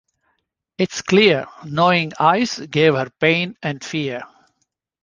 Its clear, knowing eyes gave her pain and fear.